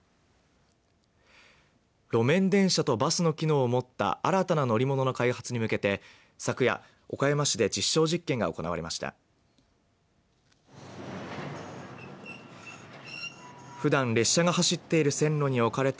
路面電車とバスの機能を持った新たな乗り物の開発に向けて昨夜、岡山市で実証実験が行われました。